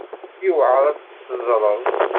Yewɛer ad tt-teẓreḍ.